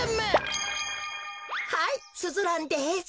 はいスズランです。